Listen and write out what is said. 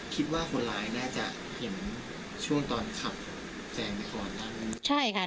คิดว่าคนลายน่าจะเห็นช่วงตอนขับแสงในขวดนั้น